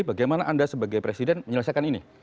bagaimana anda sebagai presiden menyelesaikan ini